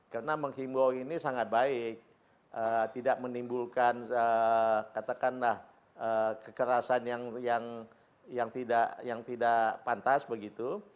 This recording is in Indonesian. karena menghimbau ini sangat baik tidak menimbulkan katakanlah kekerasan yang tidak pantas begitu